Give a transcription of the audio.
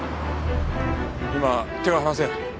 今手が離せん。